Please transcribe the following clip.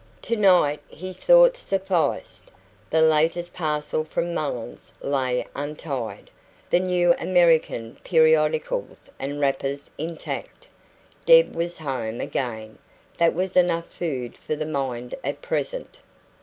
Tonight his thoughts sufficed. The latest parcel from Mullens' lay untied, the new American periodicals with wrappers intact. Deb was home again that was enough food for the mind at present.